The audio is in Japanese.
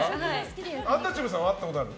アンタッチャブルさんは会ったことある？